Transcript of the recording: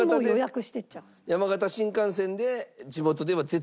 山形新幹線で。